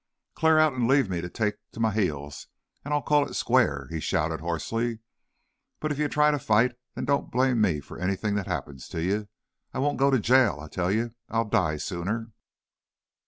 "Clear out, an' leave me to take to my heels, an' I'll call it square," he shouted, hoarsely. "But, if ye try to fight, then don't blame me for anything that happens to ye. I won't go to jail, I tell ye! I'll die, sooner!"